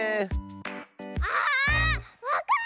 ああっわかった！